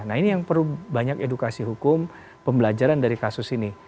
nah ini yang perlu banyak edukasi hukum pembelajaran dari kasus ini